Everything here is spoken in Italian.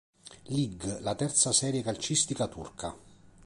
Lig la terza serie calcistica turca.